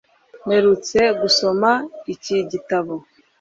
Mperutse gusoma iki gitabo